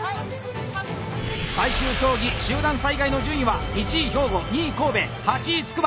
最終競技「集団災害」の順位は１位兵庫２位神戸８位つくば！